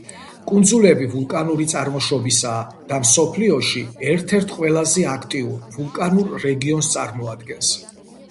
კუნძულები ვულკანური წარმოშობისაა და მსოფლიოში ერთ-ერთ ყველაზე აქტიურ ვულკანურ რეგიონს წარმოადგენს.